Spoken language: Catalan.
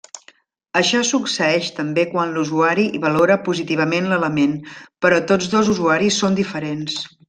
Això succeeix també quan l'usuari i valora positivament l'element però tots dos usuaris són diferents.